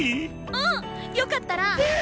うんよかったら。